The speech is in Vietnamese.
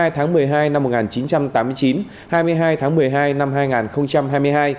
hai mươi tháng một mươi hai năm một nghìn chín trăm tám mươi chín hai mươi hai tháng một mươi hai năm hai nghìn hai mươi hai